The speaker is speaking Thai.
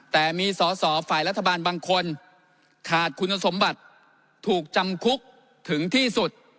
แต่มีสอสอฝ่ายรัฐบาลบางคนขาดคุณสมบัติถูกจำคุกถึงที่สุด